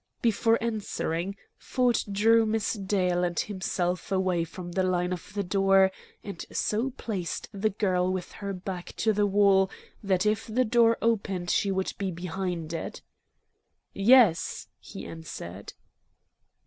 Before answering, Ford drew Miss Dale and himself away from the line of the door, and so placed the girl with her back to the wall that if the door opened she would be behind it. "Yes," he answered.